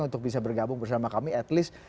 untuk bisa bergabung bersama kami at least